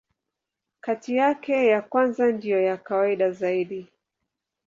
Kati yake, ya kwanza ndiyo ya kawaida zaidi.